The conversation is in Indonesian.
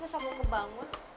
terus aku kebangun